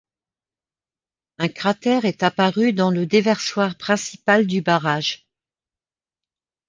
Un cratère est apparu dans le déversoir principal du barrage.